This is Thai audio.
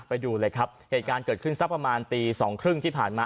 ไปดูเลยครับเหตุการณ์เกิดขึ้นสักประมาณตีสองครึ่งที่ผ่านมา